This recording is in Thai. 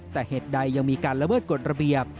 แต่เหตุใดยังมีการละเมิดกฎระเบียบ